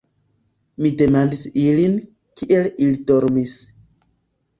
Mi demandis ilin, kiel ili dormis.